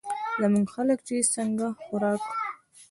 زمونږ خلک چې څنګه خوراک